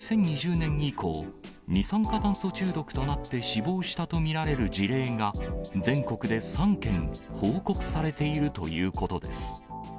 消費者庁によりますと、２０２０年以降、二酸化炭素中毒となって死亡したと見られる事例が、全国で３件報告されているということです。